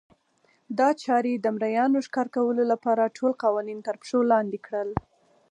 دا چارې د مریانو ښکار کولو لپاره ټول قوانین ترپښو لاندې کړل.